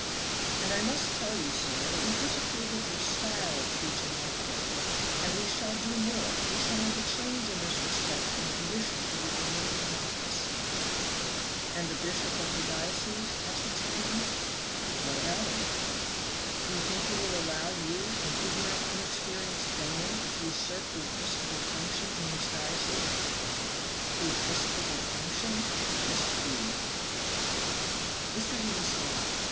"And I must tell you, sir, that we disapprove of your style of preaching altogether, and we shall do more, we shall make a change in this respect the condition of your remaining in office." "And the bishop of the diocese?" asked Mr. Eden. "What about him?" "Do you think he will allow you, an ignorant, inexperienced layman, to usurp the episcopal function in his diocese." "The episcopal function? Mr. Eden." Mr. Eden smiled.